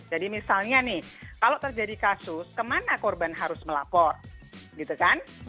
jadi misalnya nih kalau terjadi kasus kemana korban harus melapor gitu kan